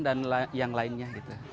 dan yang lainnya